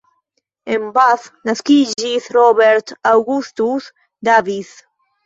En Bath naskiĝis Robert Augustus Davis.